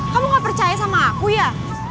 kamu gak percaya sama aku ya